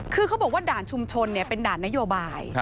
คือเขาบอกว่าด่านชุมชนเป็นด่านนโยบาย